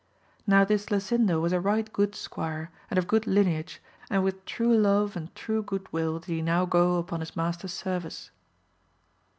Now this Lasindo was a right good squire, and of good lineage, and with true love and true good will did he now go upon his master^s service.